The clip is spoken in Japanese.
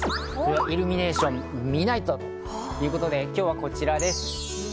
イルミネーション見ナイト！ということで、今日はこちらです。